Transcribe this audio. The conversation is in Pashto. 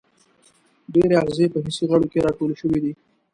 ډېری آخذې په حسي غړو کې را ټولې شوي دي.